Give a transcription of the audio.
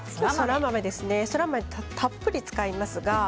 そら豆たっぷり使います。